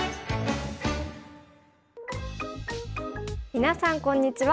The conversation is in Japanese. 皆さんこんにちは。